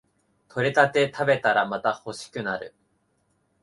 採れたて食べたらまた欲しくなる